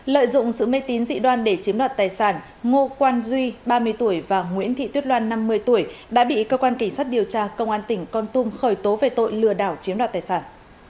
lợi dụng sự mê tín dị đoan để chiếm đoạt tài sản ngô quan duy ba mươi tuổi và nguyễn thị tuyết loan năm mươi tuổi đã bị cơ quan cảnh sát điều tra công an tỉnh con tum khởi tố về tội lừa đảo chiếm đoạt tài sản